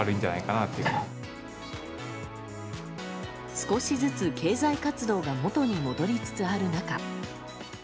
少しずつ、経済活動が元に戻りつつある中。